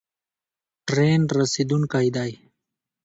ټرین رسیدونکی دی